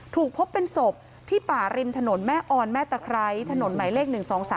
ถูกพบเป็นศพที่ป่าริมถนนแม่ออนแม่ตะไคร้ถนนหมายเลข๑๒๓